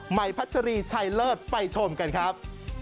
พัชรีชัยเลิศไปชมกันครับ